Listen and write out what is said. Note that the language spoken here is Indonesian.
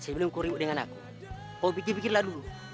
sebelum kau riuk dengan aku kau pikirlah dulu